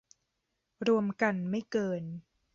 รวมกันไม่เกิน